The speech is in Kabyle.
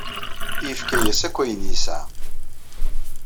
Yefka-yas akk ayen yesɛa.